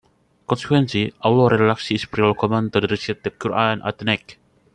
Consequently, Allah relaxes his prior command to recite the Qur'an at night.